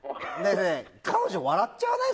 彼女笑っちゃわない？